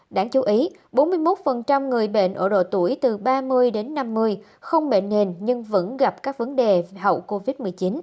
đáng chú ý bốn mươi một người bệnh ở độ tuổi từ ba mươi đến năm mươi không bệnh nền nhưng vẫn gặp các vấn đề hậu covid một mươi chín